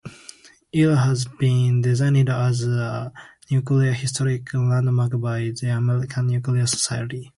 It has been designated as a nuclear historic landmark by the American Nuclear Society.